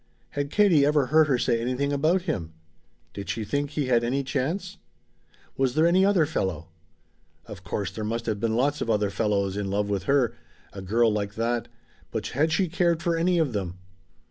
Had Katie ever heard her say anything about him? Did she think he had any chance? Was there any other fellow? Of course there must have been lots of other fellows in love with her a girl like that but had she cared for any of them?